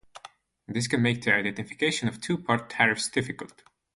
This can make the identification of two-part tariffs difficult.